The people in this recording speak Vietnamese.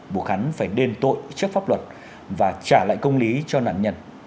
buộc hắn phải đền tội trước pháp luật và trả lại công lý cho nạn nhân